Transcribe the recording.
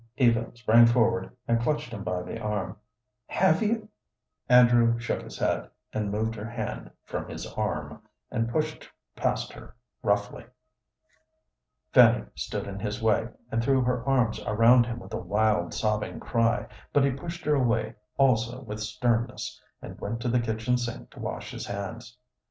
Eva sprang forward and clutched him by the arm. "Have you?" [Illustration: Eva sprang forward and clutched him by the arm] Andrew shook his head, and moved her hand from his arm, and pushed past her roughly. Fanny stood in his way, and threw her arms around him with a wild, sobbing cry, but he pushed her away also with sternness, and went to the kitchen sink to wash his hands.